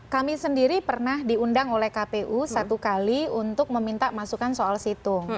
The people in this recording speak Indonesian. kami sendiri pernah diundang oleh kpu satu kali untuk meminta masukan soal situng